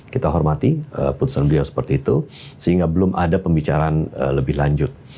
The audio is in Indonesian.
kita hormati putusan beliau seperti itu sehingga belum ada pembicaraan lebih lanjut